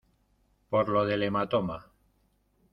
por lo del hematoma.